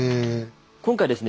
今回ですね